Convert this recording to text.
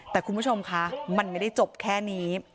แต่คุณผู้ชมคะมันไม่ได้จบแค่นี้